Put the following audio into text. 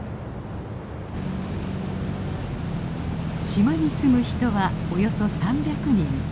島に住む人はおよそ３００人。